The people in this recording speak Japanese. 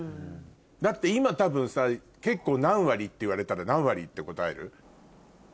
だって今多分さ結構何割って言われたら何割って答える？